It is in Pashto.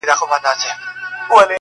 او دربار یې کړ صفا له رقیبانو،